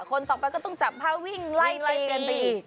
คนต่อไปก็ต้องจับผ้าวิ่งไล่ไล่กันไปอีก